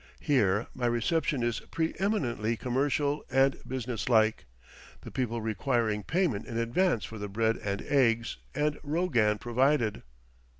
Here my reception is preeminently commercial and business like, the people requiring payment in advance for the bread and eggs and rogan provided.